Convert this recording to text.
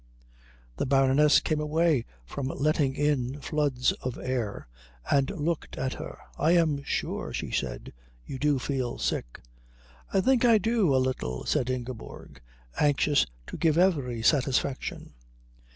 The Baroness came away from letting in floods of air, and looked at her. "I am sure," she said, "you do feel sick." "I think I do a little," said Ingeborg, anxious to give every satisfaction.